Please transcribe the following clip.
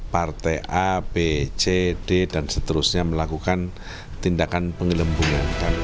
partai a b c d dan seterusnya melakukan tindakan penggelembungan